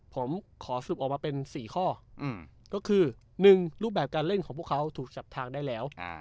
ผมขอสรุปออกมาเป็น๔ข้อก็คือ๑รูปแบบการเล่นของพวกเขาถูกจับทางได้แล้ว